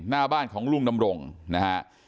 หน้าบ้านของลุงดำรงนะฮะ